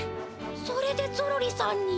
それでゾロリさんに？